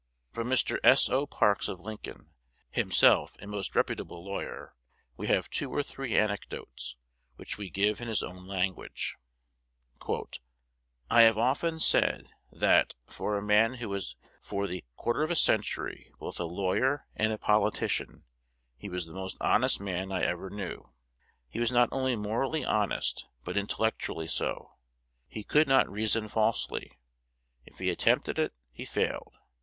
From Mr. S. O. Parks of Lincoln, himself a most reputable lawyer, we have two or three anecdotes, which we give in his own language: "I have often said, that, for a man who was for the quarter of a century both a lawyer and a politician, he was the most honest man I ever knew. He was not only morally honest, but intellectually so. He could not reason falsely: if he attempted it, he failed.